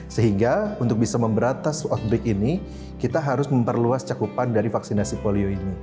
sehingga untuk bisa memberatas outbreak ini kita harus memperluas cakupan dari vaksinasi polio ini